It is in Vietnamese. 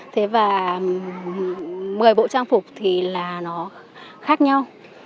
thế và một mươi bộ trang phục thì là nó khác nhau